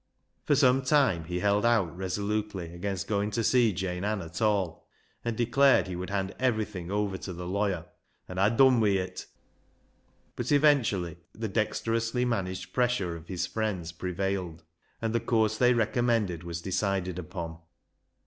For some time he held out resolutely against going to see Jane Ann at all, and declared he would hand everything over to the lawyer, and LIGE'S LEGACY 199 " ha' dun wi' it." But eventually the dexterously managed pressure of his friends prevailed, and the course they recommended was decided upon.